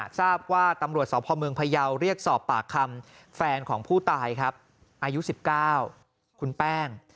ทราบว่าตำรวจสพเมืองพยาวเรียกสอบปากคำแฟนของผู้ตายครับอายุ๑๙คุณแป้ง